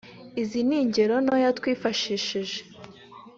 Izi ni ingero ntoya twifashishije